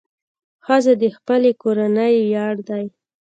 ښځه د خپلې کورنۍ ویاړ ده.